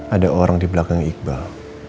ada orang di belakang iqbal